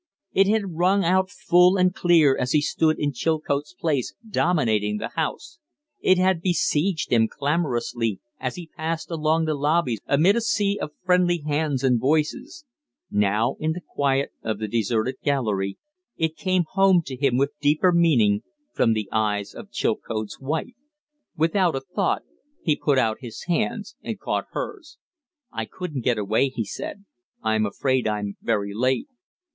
It had rung out full and clear as he stood in Chilcote's place dominating the House; it had besieged him clamorously as he passed along the lobbies amid a sea of friendly hands and voices; now in the quiet of the deserted gallery it came home to him with deeper meaning from the eyes of Chilcote's wife. Without a thought he put out his hands and caught hers. "I couldn't get away," he said. "I'm afraid I'm very late."